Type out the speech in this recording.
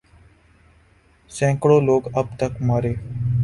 سینکڑوں لوگ اب تک مارے